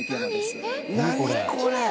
何これ！